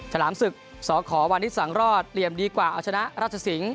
ฉลามศึกสอขอวันนี้สังรอดเตรียมดีกว่าเอาชนะราชสิงศ์